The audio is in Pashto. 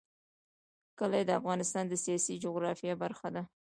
کلي د افغانستان د سیاسي جغرافیه برخه ده.